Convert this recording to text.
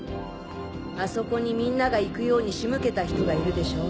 あそこにみんなが行くように仕向けた人がいるでしょう？